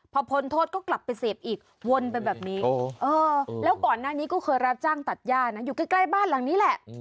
พอพ้นโทษก็กลับไปเสพอีกวนไปแบบนี้แล้วก่อนหน้านี้ก็เคยรับจ้างตัดย่านะอยู่ใกล้บ้านหลังนี้แหละ